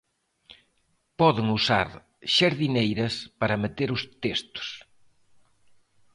Poden usar xardineiras para meter os testos.